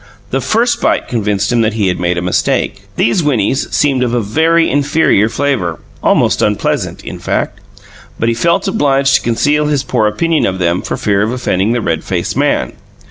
The first bite convinced him that he had made a mistake; these winnies seemed of a very inferior flavour, almost unpleasant, in fact. But he felt obliged to conceal his poor opinion of them, for fear of offending the red faced man.